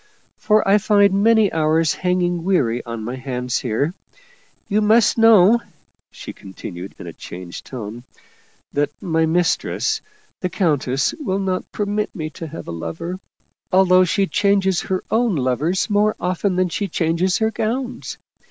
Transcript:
For I find many hours hanging weary on my hands here. You must know/' she continued in a changed tone, " that my mistress, the coun tess, will not permit me to have a lover, although she changes her own lovers more often than she changes her gowns.